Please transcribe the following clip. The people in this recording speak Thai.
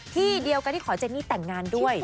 ที่เดียวกันที่ขอเจนี่แต่งงานด้วย